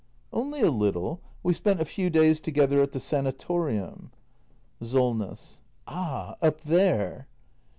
Only a little. We spent a few days together at the sanatorium. Solness. Ah, up there